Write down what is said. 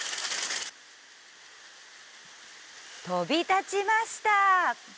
飛び立ちました！